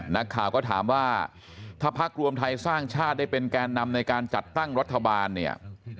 นักข่าวก็ถามว่าถ้าพักรวมไทยสร้างชาติได้เป็นแกนนำในการจัดตั้งรัฐบาลเนี่ย